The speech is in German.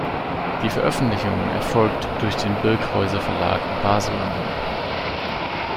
Die Veröffentlichung erfolgt durch den Birkhäuser Verlag in Basel und Wien.